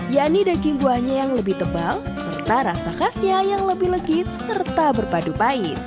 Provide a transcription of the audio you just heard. yakni daging buahnya yang lebih tebal serta rasa khasnya yang lebih legit serta berpadu pahit